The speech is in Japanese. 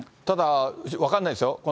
ただ、分かんないですよ。